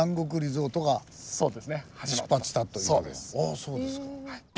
そうですか。